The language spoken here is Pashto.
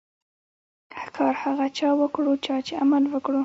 کار هغه چا وکړو، چا چي عمل وکړ.